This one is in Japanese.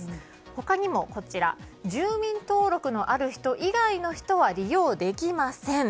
他にも住民登録のある人以外の人は利用できません。